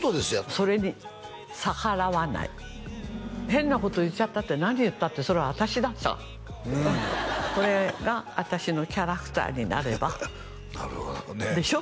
それに逆らわない変なこと言っちゃったって何言ったってそれは私ださこれが私のキャラクターになればなるほどねでしょ？